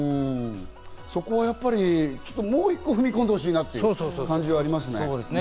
そこはやっぱりもう一個踏み込んでほしいなっていう感じはありますね。